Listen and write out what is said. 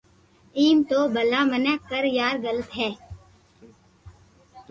ايم تو ڀلا متي ڪر يار غلط ھي